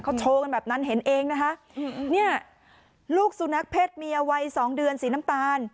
เขาโชว์กันแบบนั้นเห็นเองนะคะเนี่ยลูกสุนัขเพศเมียวัยสองเดือนสีน้ำตาล